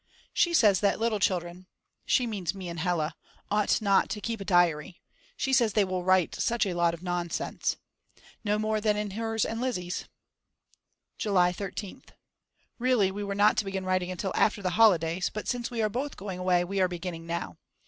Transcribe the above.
She says that little children (she means me and Hella) ought not to keep a diary. She says they will write such a lot of nonsense. No more than in hers and Lizzi's. July 13th. Really we were not to begin writing until after the holidays, but since we are both going away, we are beginning now.